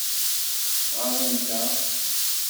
Ɣaḍent-aɣ.